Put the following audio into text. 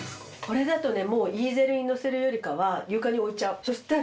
これだとねもうイーゼルにのせるよりかは床に置いちゃう。